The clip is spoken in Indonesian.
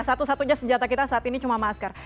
satu satunya senjata kita saat ini cuma masker